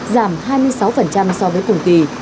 giảm hai mươi sáu so với cùng kỳ